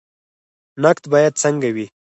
نقد باید څنګه وي؟